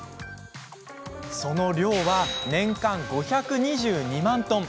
その量は、年間５２２万トン。